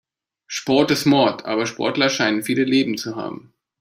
Sport ist Mord, aber Sportler scheinen viele Leben zu haben.